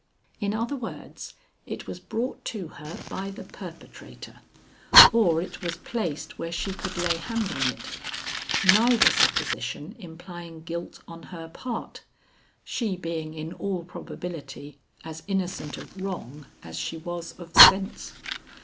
In other words, it was brought to her by the perpetrator, or it was placed where she could lay hand on it; neither supposition implying guilt on her part, she being in all probability as innocent of wrong as she was of sense.